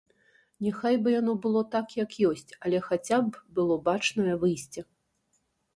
Няхай бы яно было так, як ёсць, але хаця б было бачнае выйсце.